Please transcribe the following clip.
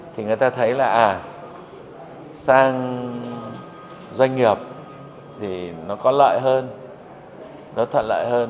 thì người ta thấy là à sang doanh nghiệp thì nó có lợi hơn nó thuận lợi hơn